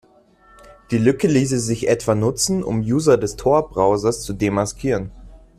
Die Lücke ließe sich etwa nutzen, um User des Tor-Browsers zu demaskieren.